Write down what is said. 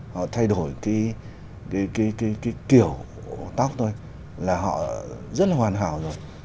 họ thay đổi cái kiểu tắc thôi là họ rất là hoàn hảo rồi